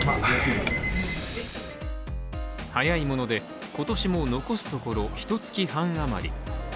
早いもので、今年も残すところひとつき半あまり。